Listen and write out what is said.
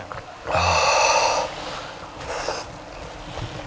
ああ！